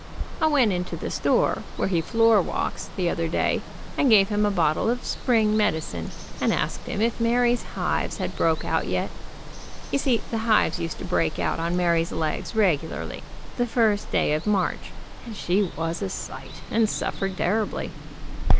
I went into the store where he floorwalks the other day, and gave him a bottle of spring medicine, and asked him if Mary's 21 6 QUEER CASE IN NEW YORK hives had broke out yet. You see the hives used to break out on Mary's legs regularly, the first day of March, and she was a sight, and suffered terribly.